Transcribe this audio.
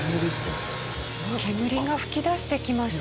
煙が噴き出してきました。